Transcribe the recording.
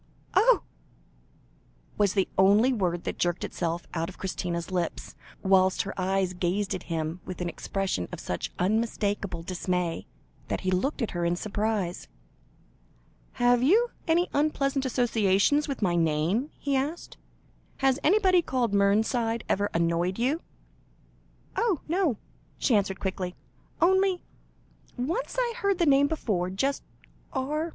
"Oh!" was the only word that jerked itself out of Christina's lips, whilst her eyes gazed at him with an expression of such unmistakable dismay, that he looked at her in surprise. "Have you any unpleasant associations with my name?" he asked. "Has anybody called Mernside ever annoyed you?" "Oh, no!" she answered quickly. "Only once I heard the name before just R.